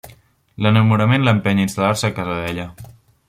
L'enamorament l'empeny a instal·lar-se a casa d'ella.